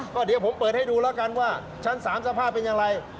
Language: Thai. ก็เดี๋ยวผมเปิดให้ดูแล้วกันว่าชั้น๓สภาพเป็นอย่างไร